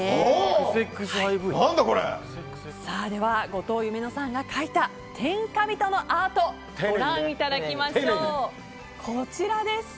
後藤夢乃さんが描いた天下人のアートご覧いただきましょう！